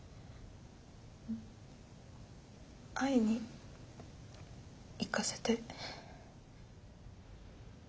会いに行かせて。